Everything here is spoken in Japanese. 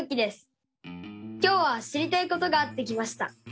今日は知りたいことがあって来ました。